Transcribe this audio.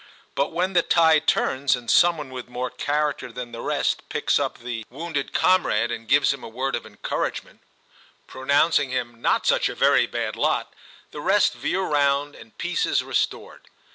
But when the tide turns, and some one with more character than the rest picks up the 142 TIM CHAP. wounded comrade and gives him a word of encouragement, pronouncing him ' not such a very bad lot/ the rest veer round, and peace is restored.